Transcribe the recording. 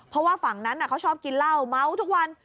เพราะว่าฝั่งนั้นเขาชอบกินเหล้าเมาทุกวัน